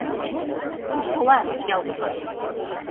Усола ялсовет...